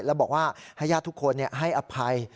แล้วบอกว่าให้ญาติทุกคนให้อภัย